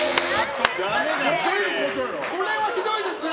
これはひどいですね！